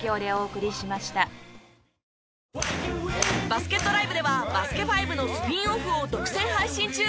バスケットＬＩＶＥでは『バスケ☆ＦＩＶＥ』のスピンオフを独占配信中！